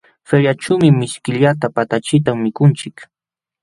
Feriaćhuumi mishkillata patachita mikunchik.